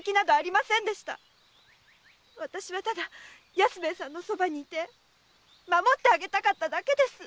私はただ安兵衛さんの側にいて守ってあげたかっただけです！